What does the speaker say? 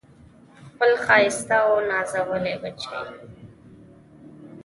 خپل ښایسته او نازولي بچي